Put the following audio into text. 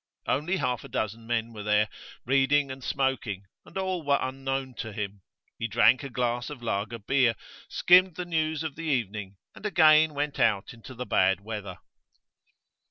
Only half a dozen men were there, reading and smoking, and all were unknown to him. He drank a glass of lager beer, skimmed the news of the evening, and again went out into the bad weather.